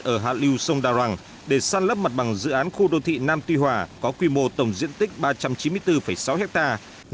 ở hạ lưu sông đà răng để săn lấp mặt bằng dự án khu đô thị nam tuy hòa có quy mô tổng diện tích ba trăm chín mươi bốn sáu hectare